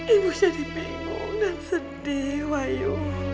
ibu jadi bingung dan sedih wayu